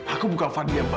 aku bukan fadil yang baik